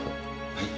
はい。